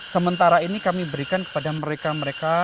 sementara ini kami berikan kepada mereka mereka